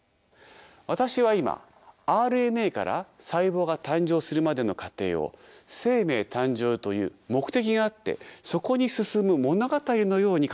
私は今ＲＮＡから細胞が誕生するまでの過程を生命誕生という目的があってそこに進む物語のように語りました。